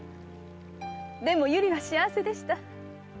でも百合は幸せでした。